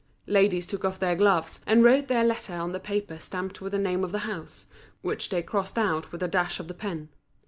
Ladies took off their gloves, and wrote their letters on the paper stamped with the name of the house, which they crossed out with a dash of the pen.